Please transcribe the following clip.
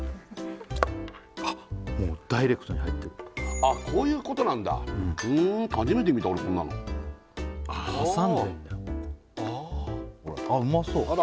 あっもうダイレクトに入ってるこういうことなんだふん初めて見た俺こんなの挟んでるんだうまそう